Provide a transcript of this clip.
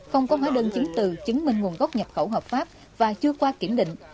không có hóa đơn chứng từ chứng minh nguồn gốc nhập khẩu hợp pháp và chưa qua kiểm định